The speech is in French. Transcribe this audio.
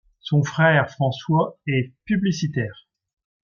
Son frère François est publicitaire.